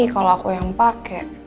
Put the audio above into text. kalau aku yang pake